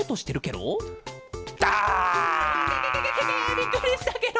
びっくりしたケロ！